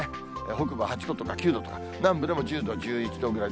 北部は８度とか９度とか、南部でも１０度、１１度ぐらい。